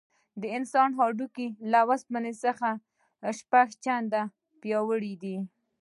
د انسان هډوکي له اوسپنې څخه شپږ چنده پیاوړي دي.